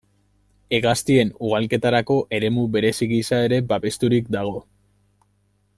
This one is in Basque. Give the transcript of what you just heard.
Hegaztien ugalketarako eremu berezi gisa ere babesturik dago.